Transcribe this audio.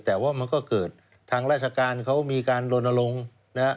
แต่ว่ามันก็เกิดทางราชการเขามีการลนลงนะฮะ